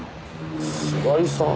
菅井さん。